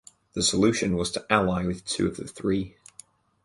The solution was to ally with two of the three.